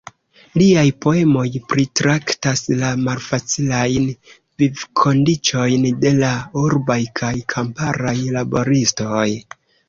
Liaj poemoj pritraktas la malfacilajn vivkondiĉojn de la urbaj kaj kamparaj laboristoj.